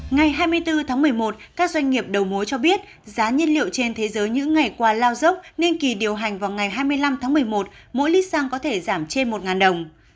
ngày hai mươi bốn tháng một mươi một các doanh nghiệp đầu mối cho biết giá nhiên liệu trên thế giới những ngày qua lao dốc ninh kỳ điều hành vào ngày hai mươi năm tháng một mươi một mỗi lít xăng có thể giảm trên một đồng